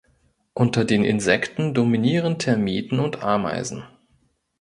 Unter den Insekten dominieren Termiten und Ameisen.